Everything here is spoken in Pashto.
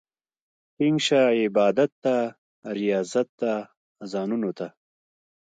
ټينګ شه عبادت ته، رياضت ته، اذانونو ته